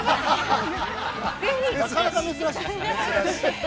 ◆なかなか珍しい。